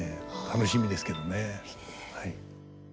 楽しみですけどね。